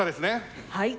はい。